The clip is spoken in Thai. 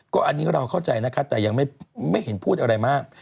ก็อันนี้เราเข้าใจนะคะแต่ยังไม่เห็นพูดอะไรมาก